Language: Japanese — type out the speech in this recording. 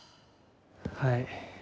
はい。